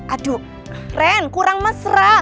aduh ren kurang mesra